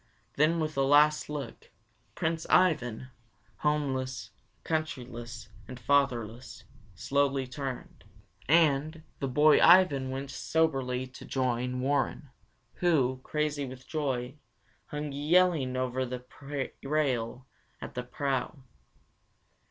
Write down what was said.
Then with a last look, Prince Ivan, homeless, countryless, and fatherless, slowly turned, and, the boy Ivan went soberly to join Warren, who, crazy with joy, hung yelling over the rail at the prow.